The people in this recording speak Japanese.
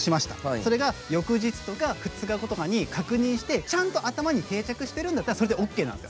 それが翌日とか２日後とかに確認して、ちゃんと頭に定着しているんだったらそれでオーケーなんです。